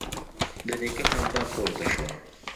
د نيکه خندا پورته شوه: